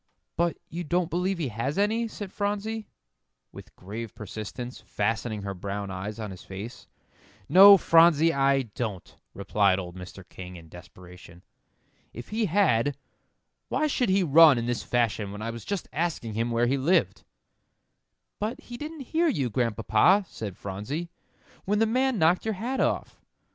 "But you don't believe he has any," said Phronsie, with grave persistence, fastening her brown eyes on his face. "No, Phronsie, I don't," replied old Mr. King, in desperation. "If he had, why should he run in this fashion when I was just asking him where he lived?" "But he didn't hear you, Grandpapa," said Phronsie, "when the man knocked your hat off."